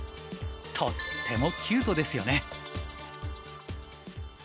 とってもキュートですよね。